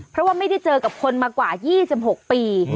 เพราะว่าไม่ได้เจอกับคนมากว่า๒๖ปี